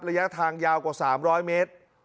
ระยะทางยาวกว่า๓๐๐เมตร